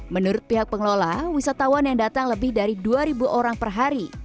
menurut pihak pengelola wisatawan yang datang lebih dari dua orang per hari